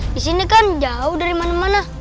di sini kan jauh dari mana mana